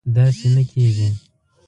داسې نه کېږي